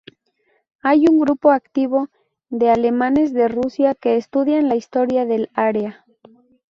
Hay un grupo activo de alemanes de Rusia que estudian la historia del área.